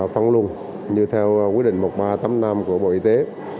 phân lung như theo quy định một nghìn ba trăm tám mươi năm của bộ y tế